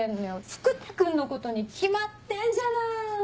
福多君のことに決まってんじゃない。